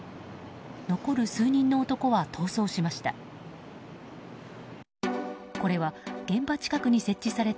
残る数人の男は逃走しました。